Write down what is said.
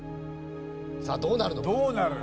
さあどうなるの？